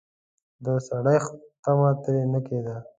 د سړښت تمه ترې نه کېده.